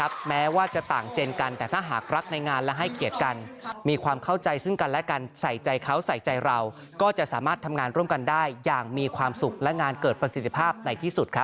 โปรดติดตามตอนต่อไป